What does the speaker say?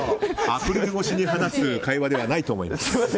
アクリル越しに話す会話ではないと思います。